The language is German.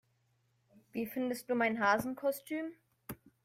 Wie findest du mein Hasenkostüm?